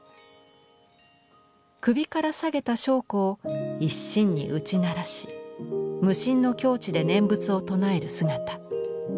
首から下げた鉦鼓を一心に打ち鳴らし無心の境地で念仏を唱える姿。